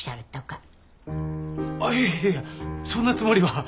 あっいやいやいやそんなつもりは。